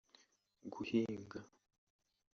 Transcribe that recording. Guhinga